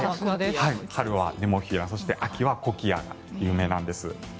春はネモフィラ秋はコキアで有名なんです。